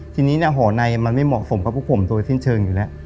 ทีนี้ห่อในมันไม่เหมาะสมกับพวกผมโดยสิ้นเชิงอยู่แล้ว